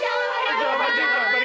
taufan kembali sayang